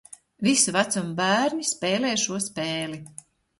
Visu vecumu bērni spēlē šo spēli